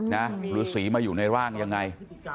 หรือสีมาอยู่ในร่างยังไง